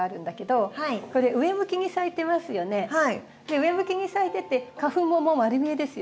上向きに咲いてて花粉も丸見えですよね。